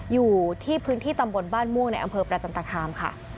อยู่ที่พื้นที่ตำบลบ้านม่วงในอำเภอประจันตคามค่ะ